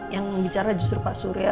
yang bicara justru pak surya